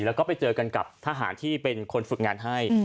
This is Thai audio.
แล้วก็ไปเจอกันกับทหารที่เป็นคนฝึกงานให้